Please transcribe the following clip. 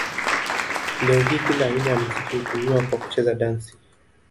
Leo hii kila aina ya muziki hutumiwa kwa kucheza dansi.